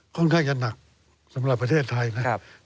ค่อนข้างจะหนักสำหรับประเทศไทยนะครับ